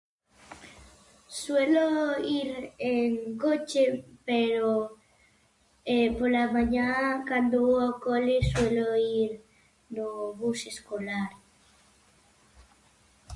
Suelo ir en coche, pero pola mañá, cando vou ao cole, suelo ir no bus escolar.